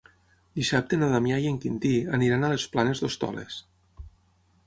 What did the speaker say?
Dissabte na Damià i en Quintí aniran a les Planes d'Hostoles.